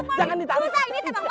susah ini tembak farmin susah